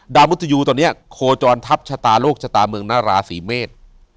มุทยูตอนนี้โคจรทัพชะตาโลกชะตาเมืองนาราศีเมษ